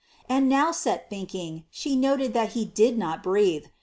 And now set thinking, she noted that he did not breathe.